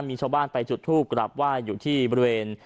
มีชาวบ้านไปจุดทูปกลับไหว้อยู่ที่บริเวณ